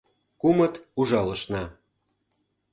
Кумыт ужалышна...